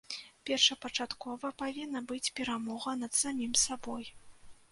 Першапачаткова павінна быць перамога над самім сабой.